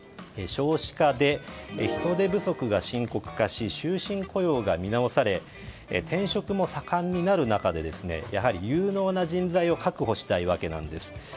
少子化で人手不足が深刻化し終身雇用が見直され転職も盛んになる中で有能な人材を確保したいわけなんです。